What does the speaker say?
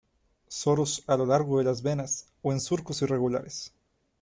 Soros a lo largo de las venas o en surcos irregulares.